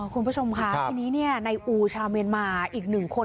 คุณผู้ชมค่ะทีนี้ในอูชาวเมียนมาอีกหนึ่งคน